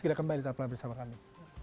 sampai jumpa lagi bersama kami